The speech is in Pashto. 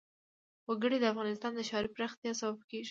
وګړي د افغانستان د ښاري پراختیا سبب کېږي.